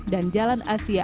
dan jalan asia